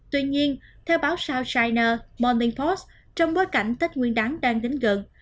tuy nhiên theo báo south china morning post trong bối cảnh tết nguyên đáng đang đến gần